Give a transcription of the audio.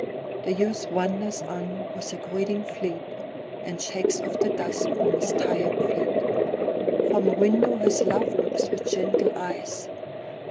The youth wanders on with a greeting fleet, And shakes off the dust from his tired feet. From a window his love looks with gentle eyes.